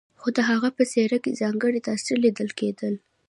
خو د هغه په څېره کې ځانګړي تاثرات ليدل کېدل.